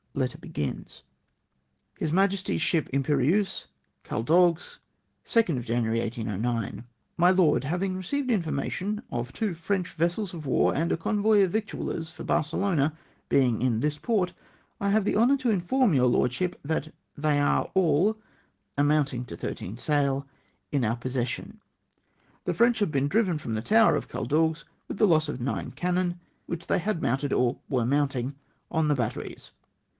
o " His Majesty's Ship Imperieuse, Caldagues, 2nd January, 1809. " My Lord, — Having received information of two French vessels of war, and a convoy of victuallers for Barcelona being in this port, I have the honour to inform your lordship, that they are all — amounting to thirteen sail — in our possession. " The French have been driven from the tower of Caldagues with the loss of nine cannon, winch they had mounted or were mounting on the batteries.